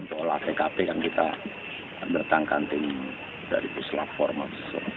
tol akkp yang kita bertangkanting dari pusat laporan